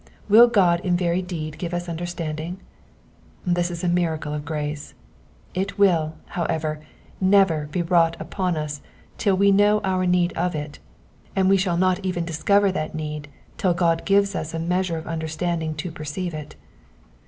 Will God in very deed give us understanding? This is a miracle of grace. It will, however, never be wrought upon us till we know our need of it ; and we shall not even discover that need till God gives us a measure of understanding to perceive it.